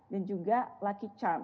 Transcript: dan juga lucky charm